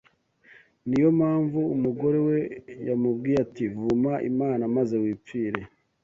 Ni yo mpamvu umugore we yamubwiye ati vuma Imana maze wipfire